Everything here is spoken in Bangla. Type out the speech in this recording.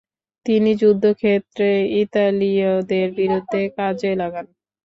তিনি যুদ্ধক্ষেত্রে ইতালীয়দের বিরুদ্ধে কাজে লাগান।